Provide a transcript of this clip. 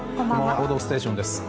「報道ステーション」です。